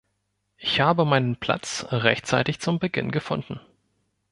Ich habe meinen Platz rechtzeitig zum Beginn gefunden.